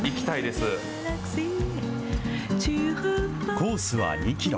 コースは２キロ。